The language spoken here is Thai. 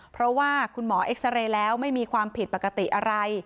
เพราะว่าคุณหมอเอ็กซาเรย์แล้วไม่มีความผิดปกติอะไร